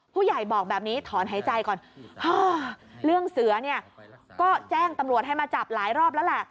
ผู้ใหญ่บอกแบบนี้ถอนหายใจก่อนพ่อเรื่องเสือเนี่ยก็แจ้งตำรวจให้มาจับหลายรอบแล้วแหละ